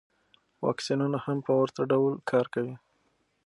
واکسینونه هم په ورته ډول کار کوي.